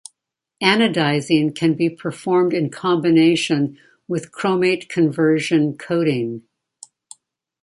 Anodizing can be performed in combination with chromate conversion coating.